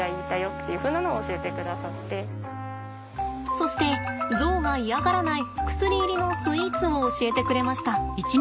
そしてゾウが嫌がらない薬入りのスイーツを教えてくれました。